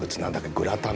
グラタン